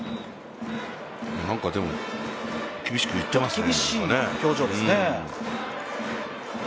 何か厳しく言ってますね。